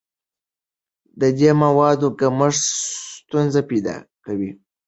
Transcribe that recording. د دې موادو کمښت ستونزې پیدا کوي.